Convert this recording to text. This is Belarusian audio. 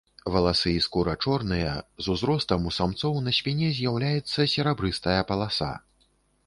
Валасы і скура чорныя, з узростам у самцоў на спіне з'яўляецца серабрыстая паласа.